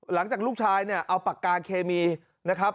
หลังจากลูกชายเนี่ยเอาปากกาเคมีนะครับ